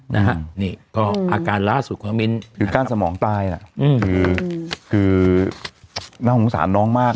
นะฮะนี่ก็อาการล่าสุดคุณมิ้นคือกั้นสมองตายน่ะคือคือน่าสงสารน้องมาก